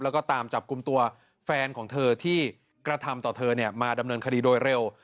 แล้วก็ตามจับกลุ่มตัวแฟนของเธอที่กระทำต่อเธอมาดำเนินคดีโดยเร็ว